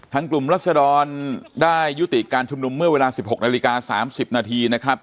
กลุ่มรัศดรได้ยุติการชุมนุมเมื่อเวลา๑๖นาฬิกา๓๐นาทีนะครับ